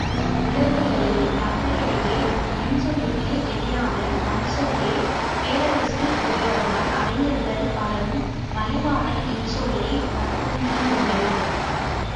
உலகியலில் மக்களிடையே இன்சொல்லுக்கு எதிரான வன்சொல்லே பேரரசு புரிவதால், அறிஞர்கள் பலரும் மலிவான இன்சொல்லை வற்புறுத்தியுள்ளனர்.